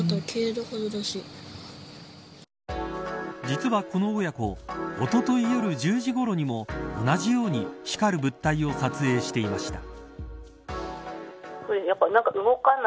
実は、この親子おととい夜１０時ごろにも同じように光る物体を撮影していました。